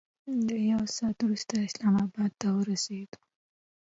له یو ساعت وروسته اسلام اباد ته ورسېدو.